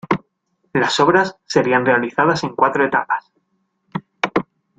Las obras serían realizadas en cuatro etapas.